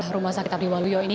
rumah sakit abdi waluyo ini